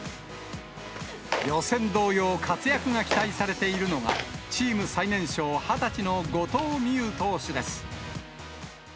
予選同様、活躍が期待されているのが、チーム最年少、２０歳の後藤希友投手です。